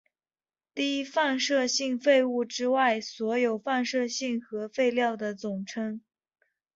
低放射性废物之外所有放射性核废料的总称。